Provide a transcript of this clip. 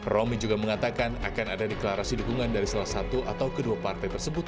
romi juga mengatakan akan ada deklarasi dukungan dari salah satu atau kedua partai tersebut